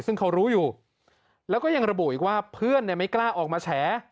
ซึ่งเขารู้อยู่แล้วก็ยังระบุอีกว่าเพื่อนไม่กล้าออกมาแฉ